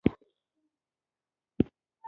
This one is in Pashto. د سکینډینیویايي ادبیاتو اړخونه پکې شامل دي.